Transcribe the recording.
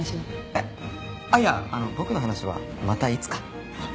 えっいや僕の話はまたいつか。